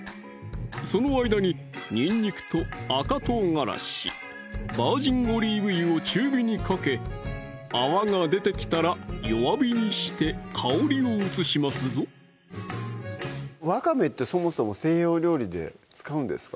その間ににんにくと赤唐辛子・バージンオリーブ油を中火にかけ泡が出てきたら弱火にして香りを移しますぞわかめってそもそも西洋料理で使うんですか？